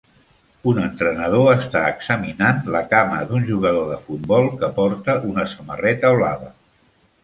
Un entrenador està examinant la cama d'un jugador de futbol que porta una samarreta blava.